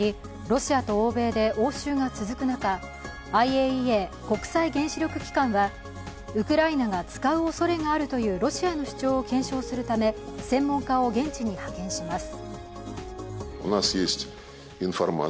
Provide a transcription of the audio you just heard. ロシアと欧米で応酬が続く中、ＩＡＥＡ＝国際原子力機関はウクライナが使うおそれがあるというロシアの主張を検証するため専門家を現地に派遣します。